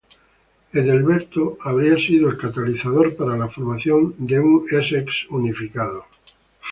Ethelberto habría sido el catalizador para la formación de un Essex unificado.